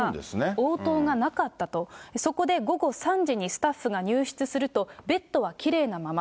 応答がなかったと、そこで午後３時にスタッフが入室すると、ベッドはきれいなまま。